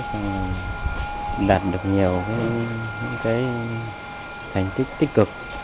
xong là đạt được nhiều những cái thành tích tích cực